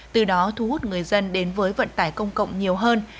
từ đó thu hút người dân đến với vận tải công cộng nhiều hơn